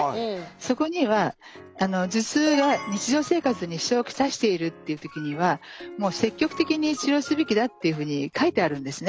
そこにはあの頭痛が日常生活に支障をきたしているっていう時にはもう積極的に治療すべきだっていうふうに書いてあるんですね。